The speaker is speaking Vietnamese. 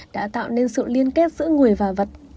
đã tạo nên sự liên kết giữa người và vật